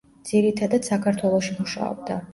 ძირითადად საქართველოში მუშაობდა.